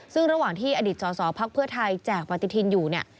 ซึ่งระหว่างที่อดีตสอสอพักเพื่อไทยแจกปฏิทินอยู่เนี่ย